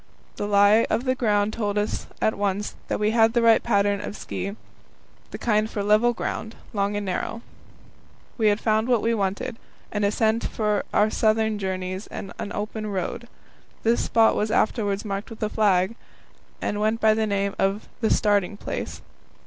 The lie of the ground told us at once that we had the right pattern of ski the kind for level ground, long and narrow. We had found what we wanted an ascent for our southern journeys and an open road. This spot was afterwards marked with a flag, and went by the name of "the starting place."